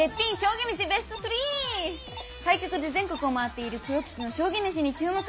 対局で全国を回っているプロ棋士の将棋メシに注目！